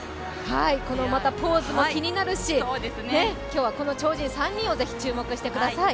このポーズも気になるし、今日はこの超人３人に注目してください。